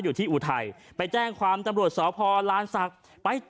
หรือตกใจที่แจ้งความเอาผิดเมียหรือกิ๊กไม่รู้